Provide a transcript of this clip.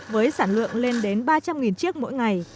với sản lượng lên đến ba trăm linh chiếc mỗi ngày